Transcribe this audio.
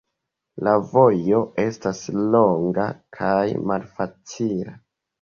La vojo estas longa kaj malfacila.